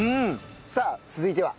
さあ続いては？